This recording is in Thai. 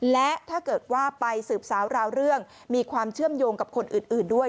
และถ้าเกิดว่าไปสืบสาวราวเรื่องมีความเชื่อมโยงกับคนอื่นด้วย